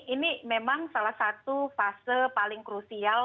ini memang salah satu fase paling krusial